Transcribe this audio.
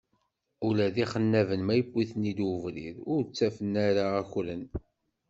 Ula d ixennaben ma yewwi-ten-id webrid, ur ttafen ara akren.